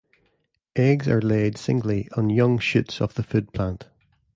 Eggs are laid singly on young shoots of the food plant.